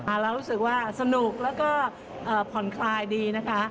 เรารู้สึกว่าสนุกแล้วก็ผ่อนคลายดีนะคะ